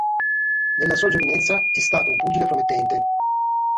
Nella sua giovinezza, è stato un pugile promettente.